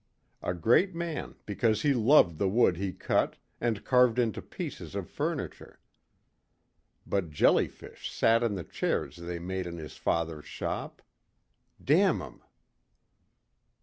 A great man because he loved the wood he cut and carved into pieces of furniture. But jellyfish sat in the chairs they made in his father's shop. Damn 'em.